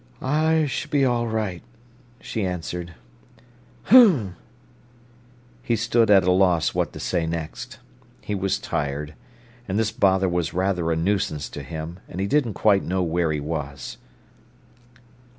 "I s'll be all right," she answered. "H'm!" He stood at a loss what to say next. He was tired, and this bother was rather a nuisance to him, and he didn't quite know where he was.